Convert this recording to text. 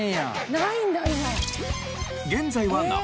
ないんだ今。